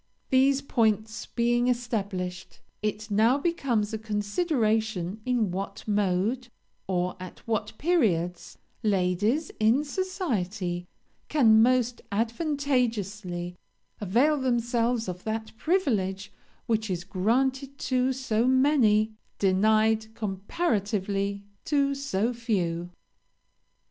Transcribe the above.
These points being established, it now becomes a consideration in what mode, or at what periods, ladies, in society, can most advantageously avail themselves of that privilege which is granted to so many, denied, comparatively, to so few.